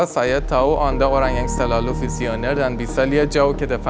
saya tahu anda orang yang selalu visioner dan bisa lihat jauh ke depan